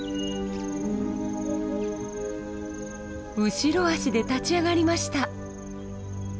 後ろ足で立ち上がりました。